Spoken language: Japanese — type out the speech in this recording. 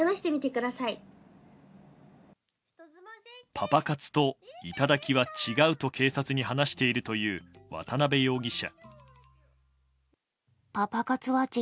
パパ活と頂きは違うと警察に話しているという渡辺容疑者。